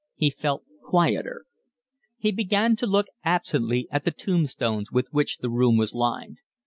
He felt quieter. He began to look absently at the tombstones with which the room was lined.